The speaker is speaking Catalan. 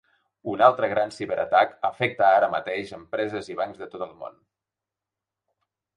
Un altre gran ciberatac afecta ara mateix empreses i bancs de tot el món.